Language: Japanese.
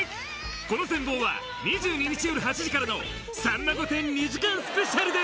この全貌は２２日よる８時からの『さんま御殿』２時間スペシャルで！